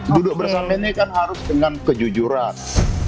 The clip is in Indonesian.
duduk bersama ini kan harus dengan kejujuran